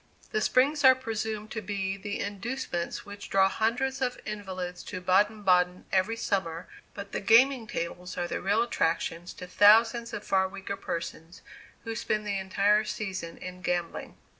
The springs are presumed to be the inducements which draw hundreds of invalids to Baden Baden every summer, but the gaming tables are the real attractions to thousands of far weaker persons who spend the entire season in gambling.